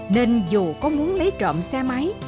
nên dù có muốn lấy trộm xe máy